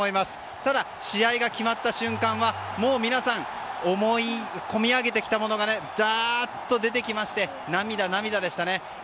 ただ、試合が決まった瞬間は皆さん思いが込み上げてきたものがダーッと出てきまして涙、涙でしたね。